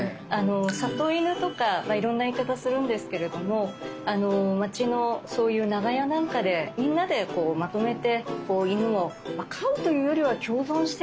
里犬とかいろんな言い方するんですけれども町のそういう長屋なんかでみんなでこうまとめて犬を飼うというよりは共存してるといったような。